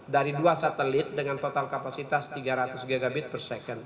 dari dua satelit dengan total kapasitas tiga ratus gb per second